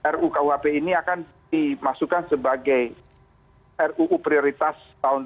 ruu kuhp ini akan dimasukkan sebagai ruu prioritas tahun dua ribu dua puluh satu